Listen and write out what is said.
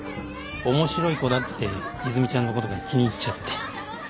「面白い子だ」っていずみちゃんの事が気に入っちゃって。